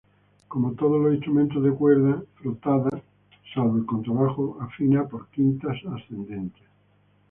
Como todos los instrumentos de cuerda frotada, salvo el contrabajo, afina por quintas ascendentes.